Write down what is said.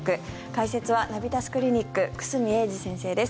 解説はナビタスクリニック久住英二先生です。